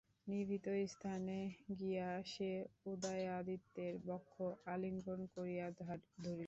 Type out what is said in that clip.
নিভৃত স্থানে গিয়া সে উদয়াদিত্যের বক্ষ আলিঙ্গন করিয়া ধরিল।